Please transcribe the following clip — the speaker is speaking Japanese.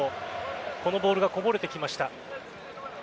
このボールがこぼれてきました。